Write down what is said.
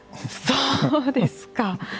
そうですか。